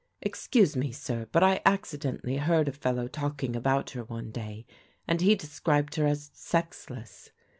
Excuse me, sir, but I accidentally heard a fellow talking about her one day, and he described her as sexless.